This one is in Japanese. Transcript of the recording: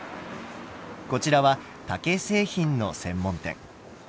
こちらは竹製品の専門店。